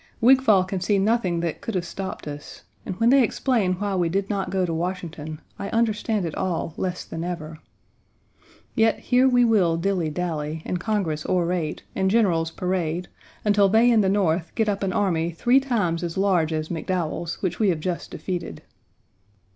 Wigfall can see nothing that could have stopped us, and when they explain why we did not go to Washington I understand it all less than ever. Yet here we will dilly dally, and Congress orate, and generals parade, until they in the North, get up an army three times as large as McDowell's, which we have just defeated.